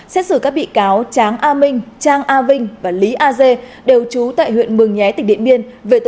xét xử các bị cáo tráng a minh trang a vinh và lý a dê đều trú tại huyện mường nhé tỉnh điện biên